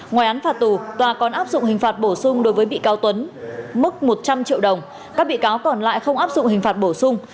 ngoài án phạt tù tòa còn áp dụng hình phạt bổ sung đối với bị cáo tuấn mức một trăm linh triệu đồng các bị cáo còn lại không áp dụng hình phạt bổ sung